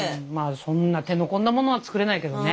そんな手の込んだものは作れないけどね。